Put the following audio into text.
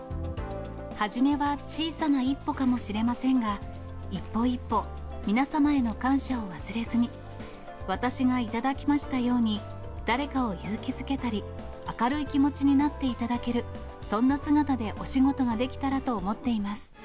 初めは小さな一歩かもしれませんが、一歩、一歩、皆様への感謝を忘れずに、私がいただきましたように誰かを勇気づけたり、明るい気持ちになっていただける、そんな姿でお仕事ができたらと思っています。